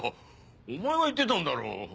お前が言ってたんだろ。